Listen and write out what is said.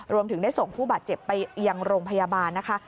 รวมถึงได้ส่งผู้บาดเจ็บไปยังโรงพยาบาลนะคะ